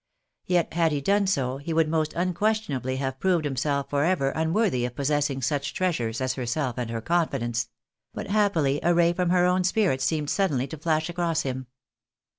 Yet had he done so he would most unquestionably have proved himself for ever unworthy of possessing such treasures as herseK and her confidence; but happily a ray from her own spirit seemed suddenly to flash across him.